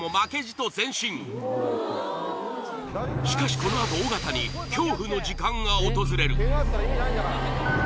しかしこのあと尾形に恐怖の時間が訪れる